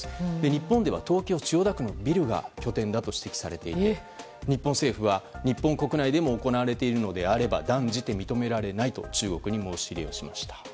日本では東京・千代田区のビルが拠点だと指摘されていて日本政府は日本国内でも行われているのであれば断じて認められないと中国に申し入れをしました。